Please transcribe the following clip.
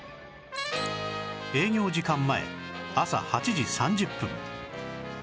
営業時間前朝８時３０分